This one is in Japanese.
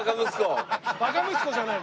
バカ息子じゃない。